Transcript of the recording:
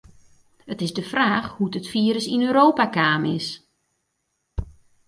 It is de fraach hoe't it firus yn Europa kaam is.